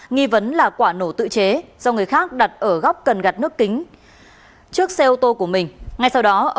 nghi vấn là quả nổ tự chế do người khác đặt ở góc cần gặt nước kính trước xe ô tô của mình